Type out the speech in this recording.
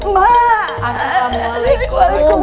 maaf assalamualaikum waalaikumsalam